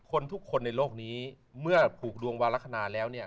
คนทุกคนในโลกนี้มันพูดวงวาลัคนะแล้วเนี่ย